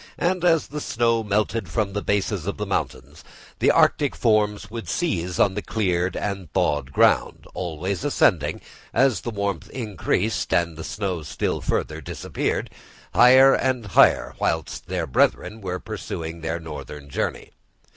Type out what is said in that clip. And as the snow melted from the bases of the mountains, the arctic forms would seize on the cleared and thawed ground, always ascending, as the warmth increased and the snow still further disappeared, higher and higher, whilst their brethren were pursuing their northern journey.